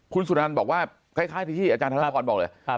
คุณสุนันบอกว่าคล้ายที่อาจารย์ธนพรบอกเลย